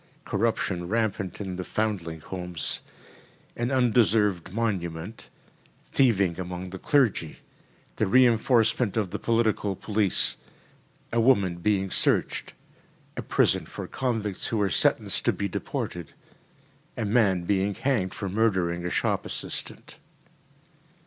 Corruption rampant in the foundling homes. An undeserved monument. Thieving among the clergy. The reinforcement of the political police. A woman being searched. A prison for convicts who are sentenced to be deported. A man being hanged for murdering a shop assistant.